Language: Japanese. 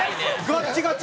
ガッチガチ！